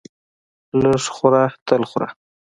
لږ خوره تل خوره!